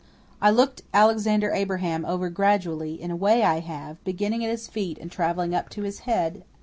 I looked Alexander Abraham over gradually, in a way I have, beginning at his feet and traveling up to his head.